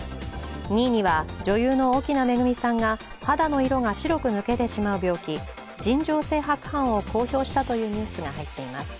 ２位には女優の奥菜恵さんが肌の色が白く抜けてしまう病気、尋常性白斑を公表したというニュースが入っています。